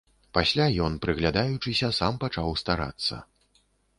Пасля ён, прыглядаючыся, сам пачаў старацца.